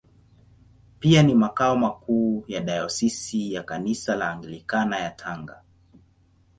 Pia ni makao makuu ya Dayosisi ya Kanisa la Anglikana ya Tanga.